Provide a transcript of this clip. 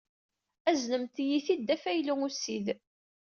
Aznemt-iyi-t-id d afaylu ussid.